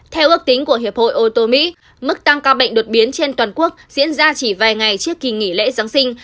theo ước tính của hiệp hội ô tô mỹ mức tăng ca bệnh đột biến trên toàn quốc diễn ra chỉ vài ngày trước kỳ nghỉ lễ giáng sinh